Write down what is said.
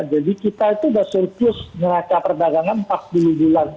jadi kita itu sudah surplus meraca perdagangan empat puluh bulan